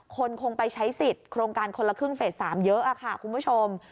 คนคงไปใช้สิทธิ์โครงการคนละครึ่งเฟส๓เยอะค่ะคุณผู้ชม